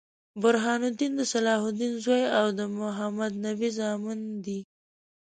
برهان الدين د صلاح الدین زوي او د محمدنبي زامن دي.